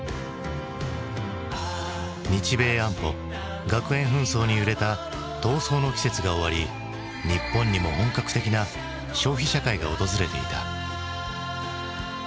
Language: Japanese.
日米安保学園紛争に揺れた闘争の季節が終わり日本にも本格的な消費社会が訪れていた。